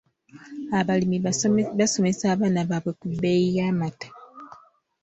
Abalimi basomesa abaana baabwe ku bbeeyi y'amata.